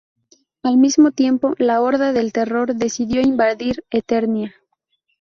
Al mismo tiempo, la Horda del Terror decidió invadir Eternia.